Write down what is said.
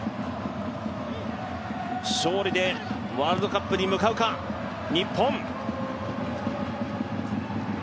勝利でワールドカップに向かうか、日本。